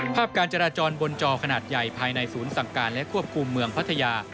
การจราจรบนจอขนาดใหญ่ภายในศูนย์สั่งการและควบคุมเมืองพัทยา